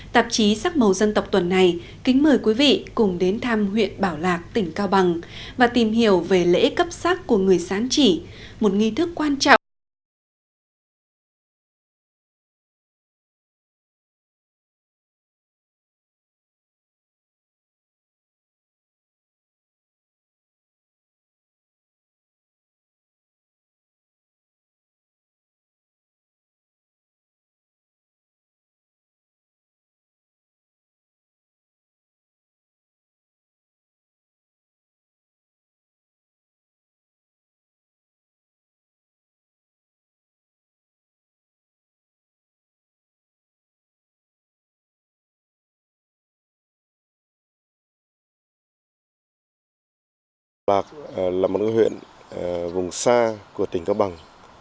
tạp chí sắc màu dân tộc tuần này kính mời quý vị cùng đến thăm huyện bảo lạc tỉnh cao bằng và tìm hiểu về lễ cấp sắc của người sán chỉ một nghi thức quan trọng